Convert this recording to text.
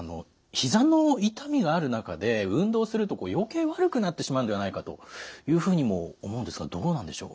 ひざの痛みがある中で運動すると余計悪くなってしまうんではないかというふうにも思うんですがどうなんでしょう？